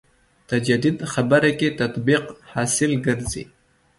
تجدید خبره کې تطبیق حاصل ګرځي.